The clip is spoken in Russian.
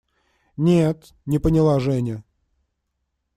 – Нет, – не поняла Женя.